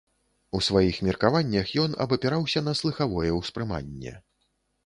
У сваіх меркаваннях ён абапіраўся на слыхавое ўспрыманне.